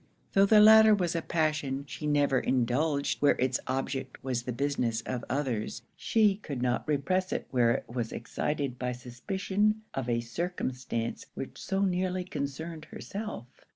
Tho' the latter was a passion she never indulged where it's object was the business of others, she could not repress it where it was excited by suspicion of a circumstance which so nearly concerned herself.